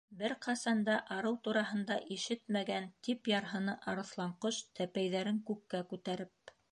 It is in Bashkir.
—Бер ҡасан да арыу тураһында ишетмәгән! —тип ярһыны Арыҫланҡош, тәпәйҙәрен күккә күтәреп.